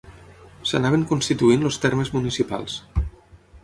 S'anaven constituint els termes municipals.